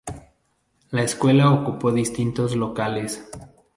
La escuela ocupó distintos locales.